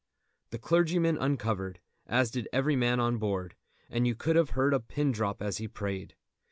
The clergyman uncovered, as did every man on board, and you could have heard a pin drop as he prayed.